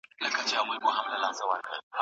شيطان کوښښ کړی دی، چي خلک رسولان درواغجنان وګڼي.